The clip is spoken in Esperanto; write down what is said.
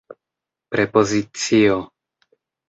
prepozicio